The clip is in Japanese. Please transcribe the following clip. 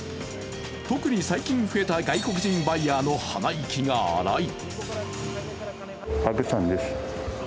特に最近増えた外国人バイヤーの鼻息が荒い。